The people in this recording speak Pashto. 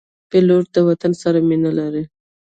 پیلوټ د وطن سره مینه لري.